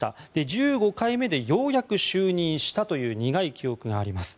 １５回目でようやく就任したという苦い記憶があります。